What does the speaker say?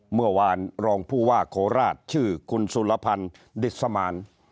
เมื่อวานรองผู้ว่าโคราชชื่อคุณสุรพันธ์ดิสมาน